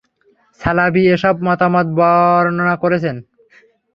ছালাবী এসব মতামত বর্ণনা করেছেন।